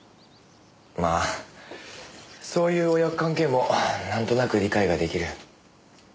まあそういう親子関係もなんとなく理解が出来る。